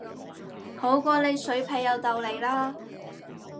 好過你水皮又豆泥啦